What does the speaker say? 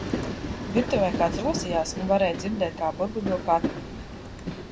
Virtuvē kāds rosījās un varēja dzirdēt kā burbuļo katli